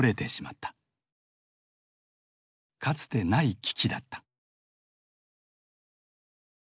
かつてない危機だった。